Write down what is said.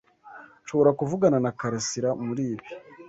Nshobora kuvugana na Karasira muri ibi.